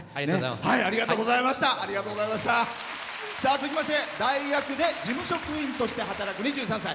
続きまして大学で事務職員として働く２３歳。